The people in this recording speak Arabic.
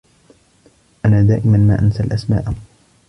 أنا دائما ما أنسى الأسماء.